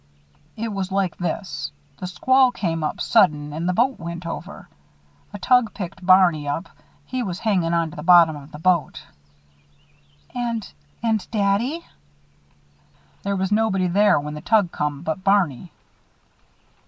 "It was like this. The squall came up sudden, an' the boat went over. A tug picked Barney up he was hangin' on to the bottom of the boat." "And and daddy?" "There was nobody there when the tug come but Barney."